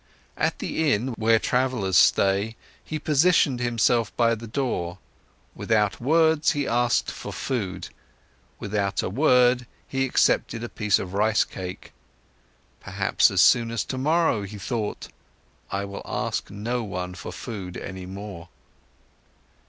At the inn, where travellers stay, he positioned himself by the door, without words he asked for food, without a word he accepted a piece of rice cake. Perhaps as soon as tomorrow, he thought, I will ask no one for food any more.